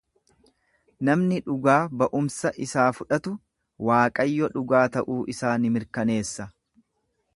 Namni dhugaa ba'umsa isaa fudhatu Waaqayyo dhugaa ta'uu isaa ni mirkaneessa.